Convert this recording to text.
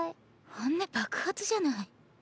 本音爆発じゃない。